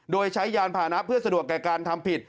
โดยใช้ยานพานะเพื่อสะดวกแก่การทำผิด